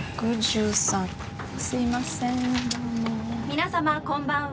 「皆様こんばんは」